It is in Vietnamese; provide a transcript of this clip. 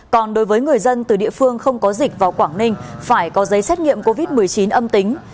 còn đối với người dân từ địa phương không có dịch vào quảng ninh phải có giấy xét nghiệm covid một mươi chín âm tính